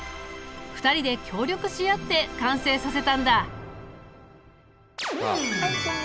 ２人で協力し合って完成させたんだ。